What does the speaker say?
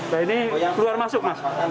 nah ini keluar masuk mas